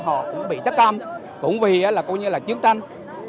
họ cũng bị chất cam cũng vì chiếm tranh